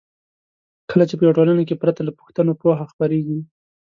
کله چې په یوه ټولنه کې پرته له پوښتنو پوهه خپریږي.